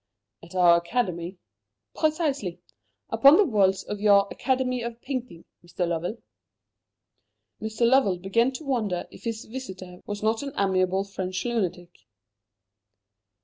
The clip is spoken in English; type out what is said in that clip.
"At our Academy?" "Precisely. Upon the walls of your Academy of Painting, Mr. Lovell." Mr. Lovell began to wonder if his visitor was not an amiable French lunatic.